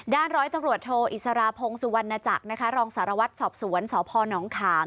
ด้านร้อยตรวจโทรอิสรพงศ์สุวรรณจักรรองสารวัตรสอบสวนสพนขาม